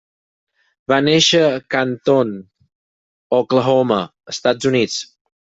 Va néixer a Canton, Oklahoma, Estats Units.